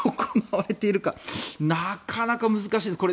なかなか難しいです。